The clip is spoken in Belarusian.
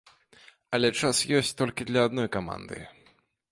Але час ёсць толькі для адной каманды.